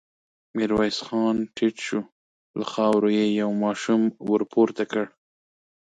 ميرويس خان ټيټ شو، له خاورو يې يو ماشوم ور پورته کړ.